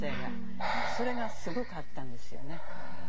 それがすごくあったんですよね。